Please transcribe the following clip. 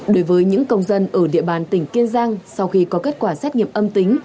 đối với những công dân ở địa bàn tỉnh kiên giang sau khi có kết quả xét nghiệm âm tính